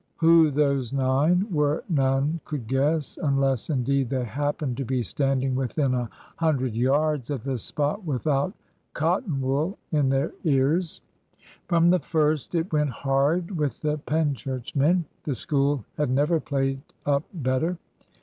Who those nine were none could guess, unless indeed they happened to be standing within a hundred yards of the spot without cotton wool in their ears. From the first it went hard with the Penchurch men. The School had never played up better.